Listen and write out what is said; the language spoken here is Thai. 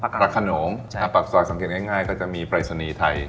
ปลากขนมถ้าปรักษอยสังเกณฑ์ง่ายก็จะมีปริศนีย์ไทย